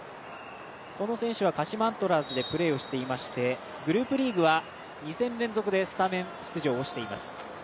この選手は、鹿島アントラーズでプレーをしていましてグループリーグは２戦連続でスタメン出場をしています。